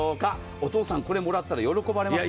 お父さん、これをもらったら喜ばれますよ。